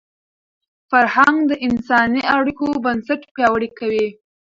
فرهنګ د انساني اړیکو بنسټ پیاوړی کوي.